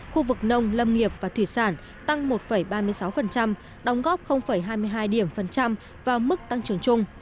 khu vực nông lâm nghiệp và thủy sản tăng một ba mươi sáu đóng góp hai mươi hai điểm phần trăm vào mức tăng trưởng chung